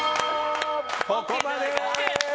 ここまで！